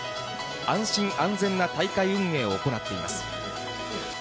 安心安全な大会運営を行っています。